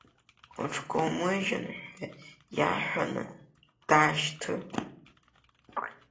Уҽкоумыжьын ҳәа иаҳәаны, даашьҭы.